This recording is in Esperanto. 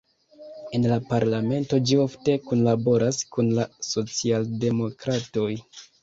En la parlamento ĝi ofte kunlaboras kun la socialdemokratoj.